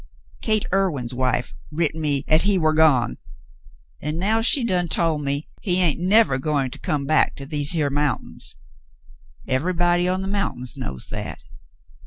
Gate Irwin's wife writ me 'at he war gone ; an' now she done tol' me he ain't nevah goin' to come back to these here mountins. Ev'ybody on the mountins knows that.